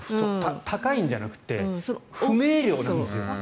高いんじゃなくて不明瞭なんです。